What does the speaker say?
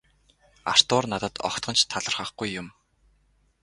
Артур надад огтхон ч талархахгүй юм.